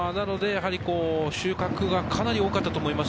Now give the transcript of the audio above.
収穫が、かなり多かったと思います。